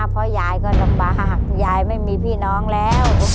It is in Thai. เพราะยายก็ลำบากยายไม่มีพี่น้องแล้ว